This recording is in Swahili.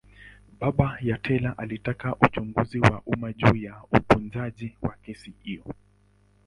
Baba ya Taylor alitaka uchunguzi wa umma juu ya utunzaji wa kesi hiyo.